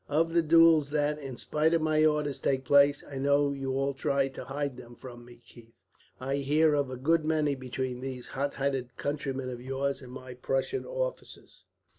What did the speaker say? Of the duels that, in spite of my orders, take place I know you all try to hide them from me, Keith I hear of a good many between these hot headed countrymen of yours and my Prussian officers."